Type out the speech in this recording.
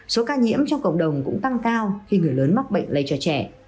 số ca nhiễm trong cộng đồng cũng tăng cao khi người lớn mắc bệnh lây cho trẻ